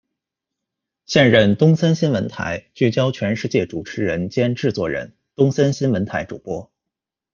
现任东森新闻台《聚焦全世界》主持人兼制作人、东森新闻台主播。